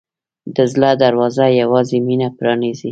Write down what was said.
د زړه دروازه یوازې مینه پرانیزي.